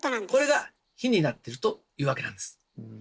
これが火になってるというわけなんです。